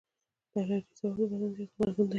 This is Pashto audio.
د الرجي سبب د بدن زیات غبرګون دی.